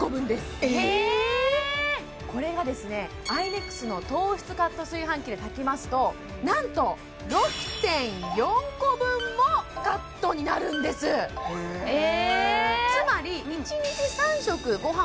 これがですねＡＩＮＸの糖質カット炊飯器で炊きますとなんと６．４個分もカットになるんですえ